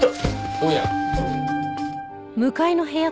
おや？